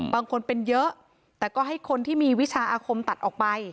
บางคนเป็นเยอะแต่ก็ให้คนที่มีวิชาอาคมตัดออกไป